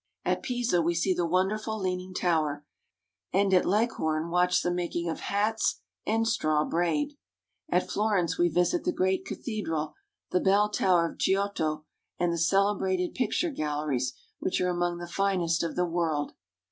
At Pisa we see the wonderful leaning tower, and at Leghorn watch the making of hats and straw braid. At Florence we visit the great cathedral, the bell tower of Giotto, and the cele brated picture galler ies, which are among the finest of the world.